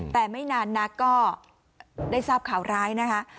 แต่ไม่นานนักก็ได้ทราบข่าวร้ายนะคะ